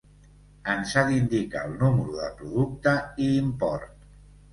Ens ha d'indicar el número de producte i import.